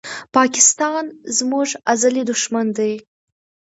پاکستان زموږ ازلي دښمن دی